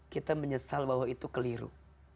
kita menyesal bahwa itu keliru